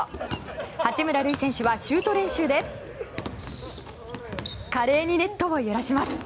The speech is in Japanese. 八村塁選手はシュート練習で華麗にネットを揺らします。